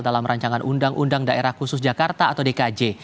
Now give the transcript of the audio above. dalam rancangan undang undang daerah khusus jakarta atau dkj